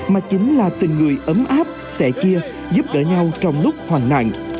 mà chính là tình người ấm áp sẻ chia giúp đỡ nhau trong lúc hoàn nạn